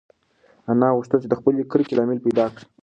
انا غوښتل چې د خپلې کرکې لامل پیدا کړي.